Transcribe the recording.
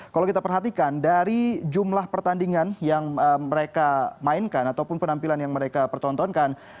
kalau kita perhatikan dari jumlah pertandingan yang mereka mainkan ataupun penampilan yang mereka pertontonkan